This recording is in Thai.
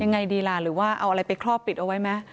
ยังไงดีล่ะหรือว่าเอาอะไรไปครอบปิดเอาไว้ไหม